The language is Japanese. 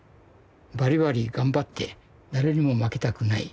「バリバリ頑張って誰にも負けたくない。